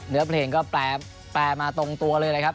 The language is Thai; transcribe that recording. เนื้อเพลงก็แปลมาตรงตัวเลยนะครับ